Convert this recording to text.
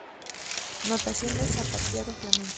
Notación de zapateado flamenco